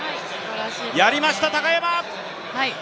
やりました高山！